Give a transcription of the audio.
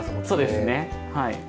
そうですねはい。